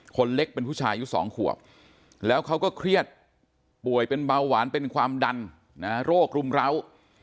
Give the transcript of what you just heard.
คนเล็กเป็นผู้ชายอายุ๒ขวบแล้วเขาก็เครียดป่วยเป็นเบาหวานเป็นความดันโรครุมร้าว